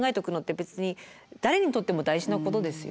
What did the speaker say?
別に誰にとっても大事なことですよね？